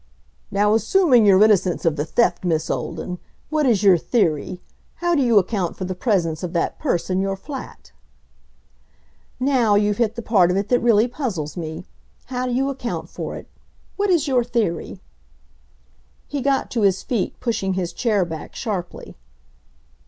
"Now, assuming your innocence of the theft, Miss Olden, what is your theory; how do you account for the presence of that purse in your flat?" "Now, you've hit the part of it that really puzzles me. How do you account for it; what is your theory?" He got to his feet, pushing his chair back sharply.